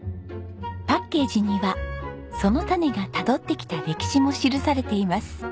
パッケージにはその種がたどってきた歴史も記されています。